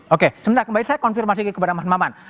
oke sebentar kembali saya konfirmasi kepada mas maman